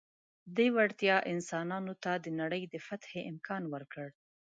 دې وړتیا انسانانو ته د نړۍ د فتحې امکان ورکړ.